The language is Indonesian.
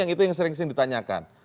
itu yang sering disini ditanyakan